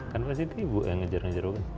kan pasti tuh ibu yang ngejar ngejar ibu kan